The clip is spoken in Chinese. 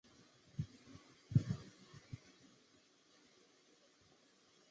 真冈郡是日本统治下桦太厅的一郡。